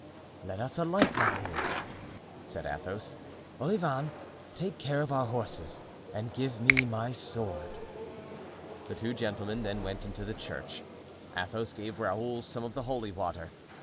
"Let us alight; Raoul," said Athos. "Olivain, take care of our horses and give me my sword." The two gentlemen then went into the church. Athos gave Raoul some of the holy water.